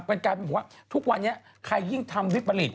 กลายเป็นบอกว่าทุกวันนี้ใครยิ่งทำวิปริต